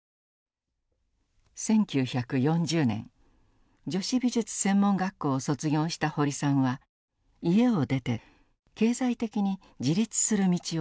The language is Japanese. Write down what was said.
１９４０年女子美術専門学校を卒業した堀さんは家を出て経済的に自立する道を求めます。